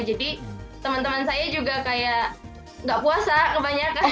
jadi teman teman saya juga kayak nggak puasa kebanyakan